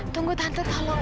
tunggu tante tolong